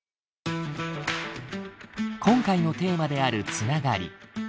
今回のテーマである繋がり。